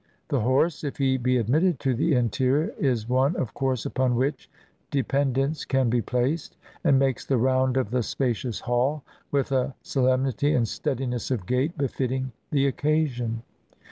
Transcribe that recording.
The horse, if he be admitted to the interior, is one, of course, upon which dependence can be placed; and makes the round of the spacious hall with a solem nity and steadiness of gait befitting the occasion.